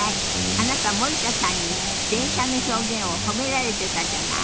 あなた森田さんに「電車」の表現を褒められてたじゃない。